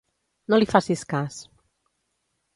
No li facis cas.